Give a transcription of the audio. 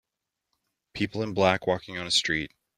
People in black walking on a street.